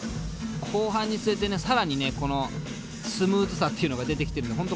後半につれて更にこのスムーズさっていうのが出てきてるので本当